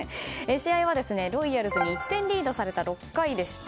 試合はロイヤルズに１点リードされた６回でした。